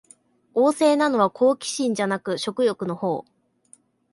旺盛なのは好奇心じゃなく食欲のほう